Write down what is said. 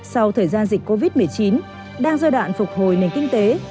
sau thời gian dịch covid một mươi chín đang giai đoạn phục hồi nền kinh tế